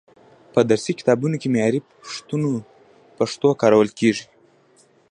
په درسي کتابونو کې معیاري پښتو کارول کیږي.